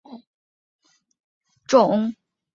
红花芒毛苣苔为苦苣苔科芒毛苣苔属下的一个种。